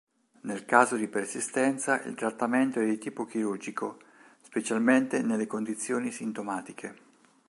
Nel caso di persistenza il trattamento è di tipo chirurgico, specialmente nelle condizioni sintomatiche.